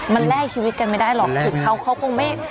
มันแลกชีวิตกันไม่ได้หรอกคือเขาเขาคงไม่